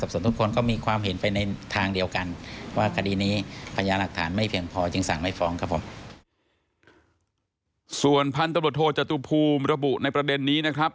ส่วนพันธุ์ตำรวจโทจตุภูมิระบุในประเด็นนี้นะครับ